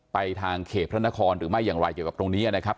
ทางเขตพระนครหรือไม่อย่างไรเกี่ยวกับตรงนี้นะครับ